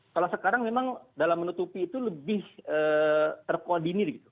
kalau sekarang memang dalam menutupi itu lebih terkoordinir gitu